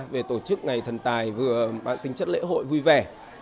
về tổ chức ngày thần tài vừa mang tính chất lễ hội vui vẻ